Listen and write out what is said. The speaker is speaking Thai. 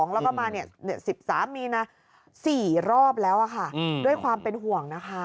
แล้วก็มา๑๓มีนา๔รอบแล้วค่ะด้วยความเป็นห่วงนะคะ